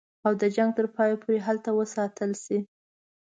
او د جنګ تر پایه پوري هلته وساتل شي.